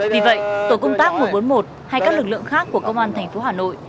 vì vậy tổ công tác một trăm bốn mươi một hay các lực lượng khác của công an tp hà nội